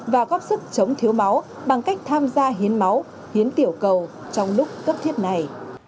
và góp sức chống thiếu máu bằng cách tham gia hiến máu hiến tiểu cầu trong lúc cấp thiết này